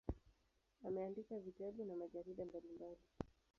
Ameandika vitabu na majarida mbalimbali.